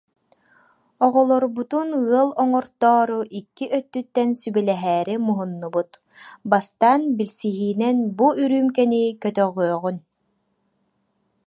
Оҕолорбутун ыал оҥортоору икки өттүттэн сүбэлэһээри муһуннубут, бастаан билсиһиинэн бу үрүүмкэни көтөҕүөҕүҥ